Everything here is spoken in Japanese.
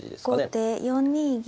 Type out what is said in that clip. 後手４二銀。